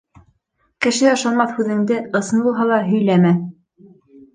Кеше ышанмаҫ һүҙеңде, ысын булһа ла, һөйләмә.